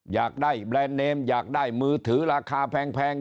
อยากได้แบรนด์เนมอยากได้มือถือราคาแพง